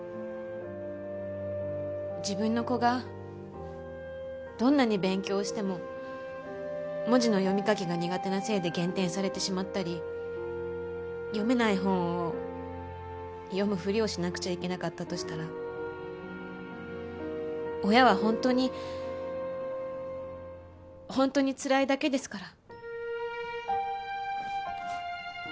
自分の子がどんなに勉強しても文字の読み書きが苦手なせいで減点されてしまったり読めない本を読むふりをしなくちゃいけなかったとしたら親は本当に本当につらいだけですから。